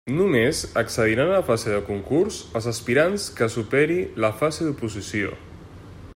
Només accediran a la fase de concurs els aspirants que superi la fase d'oposició.